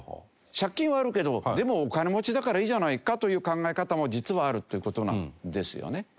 借金はあるけどでもお金持ちだからいいじゃないかという考え方も実はあるという事なんですよね。